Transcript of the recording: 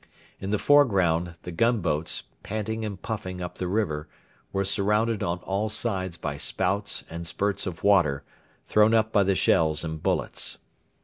In the foreground the gunboats, panting and puffing up the river, were surrounded on all sides by spouts and spurts of water, thrown up by the shells and bullets.